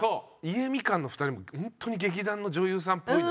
家みかんの２人も本当に劇団の女優さんっぽいのよ。